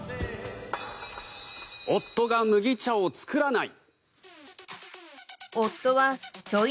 夫が麦茶を作らない。